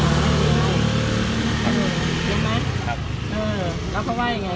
หื้อแล้วเขาว่าไง